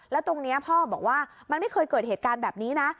แล้วตรงนี้พ่อบอกว่ามันไม่เคยเกิดเหตุการณ์แบบนี้นะ